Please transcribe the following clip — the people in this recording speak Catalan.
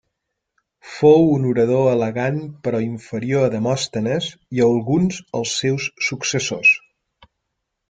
Fou un orador elegant però inferior a Demòstenes i alguns els seus successors.